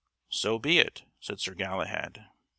"So be it," said Sir Galahad.